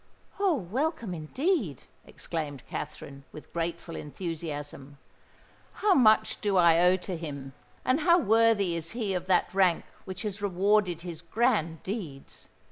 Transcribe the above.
"Oh! welcome indeed!" exclaimed Katherine, with grateful enthusiasm. "How much do I owe to him—and how worthy is he of that rank which has rewarded his grand deeds!